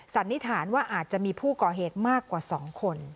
สันนิษฐานว่าอาจจะมีผู้ก่อเหตุมากกว่า๒คน